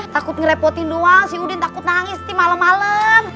takut ngerepotin doang si udin takut nangis malem malem